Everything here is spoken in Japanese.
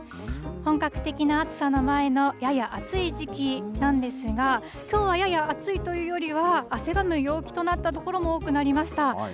本格的な暑さの前のやや暑い時期なんですが、きょうはやや暑いというよりは、汗ばむ陽気となった所も多くなりました。